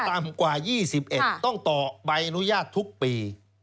ต่ำกว่า๒๑ต้องต่อใบอนุญาตทุกปี